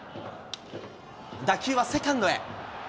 打球はセカンドへ。